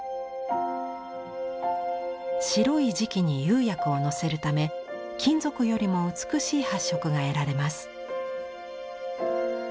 白い磁器に釉薬をのせるため金属よりも美しい発色が得られます。